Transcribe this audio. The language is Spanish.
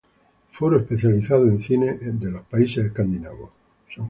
Foro especializado en Cine de los Países Escandinavos